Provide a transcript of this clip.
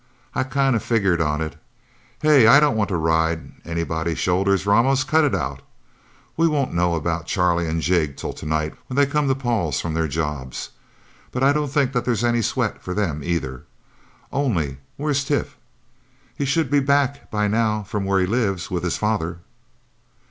I kind of figured on it... Hey I don't want to ride anybody's shoulders, Ramos cut it out...! We won't know about Charlie and Jig till tonight, when they come to Paul's from their jobs. But I don't think that there's any sweat for them, either... Only where's Tif? He should be back by now from where he lives with his father..."